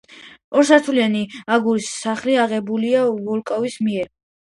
ორსართულიანი აგურის სახლი აგებულია ვოლკოვის მიერ.